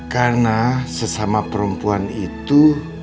karena sesama perempuan itu